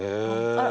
あら！